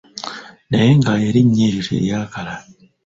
Naye nga erinnya eryo teryakala.